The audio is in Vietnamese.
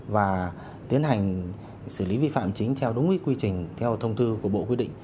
và tiến hành xử lý vi phạm chính theo đúng quy trình theo thông thư của bộ quyết định